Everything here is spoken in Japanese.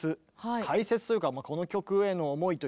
解説というかこの曲への思いというか。